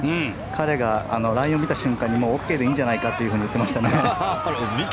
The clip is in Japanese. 彼がラインを見た瞬間にＯＫでいいんじゃないかと言ってましたね。